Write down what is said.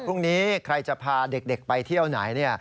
พรุ่งนี้ใครจะพาเด็กไปเที่ยวไหน